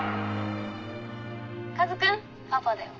☎カズ君パパだよ。